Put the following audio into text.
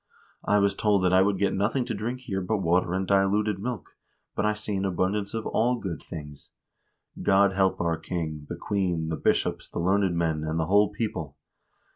I was told that I would get nothing to drink here but water and diluted milk, but I see an abundance of all good things. God keep our king, the queen, the bishops, the learned men, and the whole people.